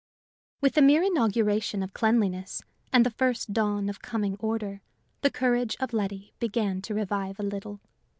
With the mere inauguration of cleanliness, and the first dawn of coming order, the courage of Letty began to revive a little.